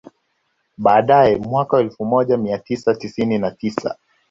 Baadae mwaka elfu moja mia tisa tisini na tisa